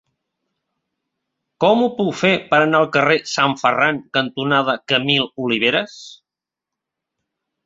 Com ho puc fer per anar al carrer Sant Ferran cantonada Camil Oliveras?